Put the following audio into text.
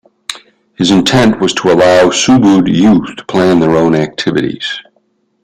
His intent was to allow Subud youth to plan their own activities.